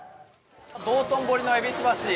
道頓堀の戎橋。